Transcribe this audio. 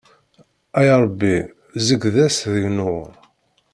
A Ṛebbi zegged-as deg nnur.